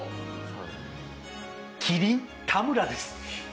麒麟・田村です。